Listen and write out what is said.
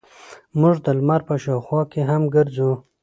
موږ د لمر په شاوخوا کې هم ګرځو.